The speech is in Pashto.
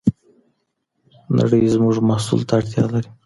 نړۍ زموږ محصول ته اړتیا لري.